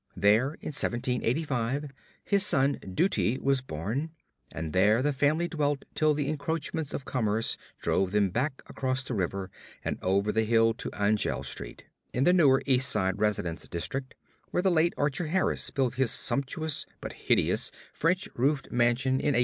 There, in 1785, his son Dutee was born; and there the family dwelt till the encroachments of commerce drove them back across the river and over the hill to Angell Street, in the newer East Side residence district, where the late Archer Harris built his sumptuous but hideous French roofed mansion in 1876.